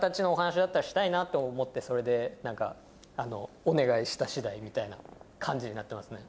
なって思ってそれでお願いした次第みたいな感じになってますね。